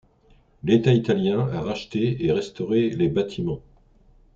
L'état Italien a racheté et restauré les bâtiments.